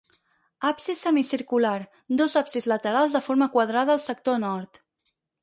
Absis semicircular; dos absis laterals de forma quadrada al sector nord.